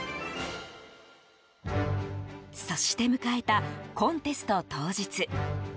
そして迎えたコンテスト当日。